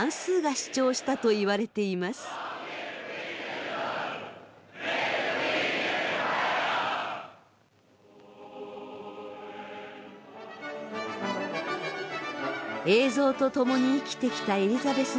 映像と共に生きてきたエリザベス女王。